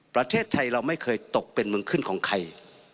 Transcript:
ประเทศไทยเราไม่เคยตกเป็นเมืองขึ้นของใคร